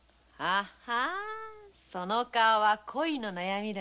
ははぁその顔は恋の悩みだな。